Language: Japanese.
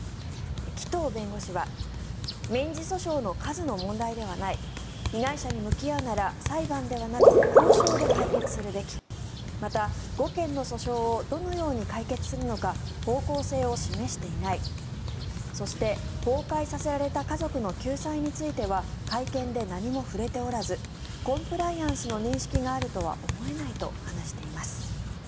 紀藤弁護士は民事訴訟の数の問題ではない被害者に向き合うなら裁判ではなく交渉で解決すべきまた、５件の訴訟をどのように解決するのか方向性を示していないそして崩壊させられた家族の救済については会見で何も触れておらずコンプライアンスの認識があるとは思えないと話しています。